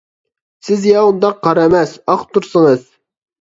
سىز يا ئۇنداق قارا ئەمەس، ئاق تۇرسىڭىز.